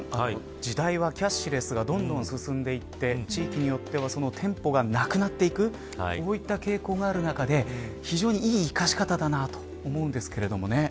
時代はキャッシュレスがどんどん進んでいって地域によっては店舗がなくなっていくこういった傾向がある中で非常に生かし方だなと思うんですけどね。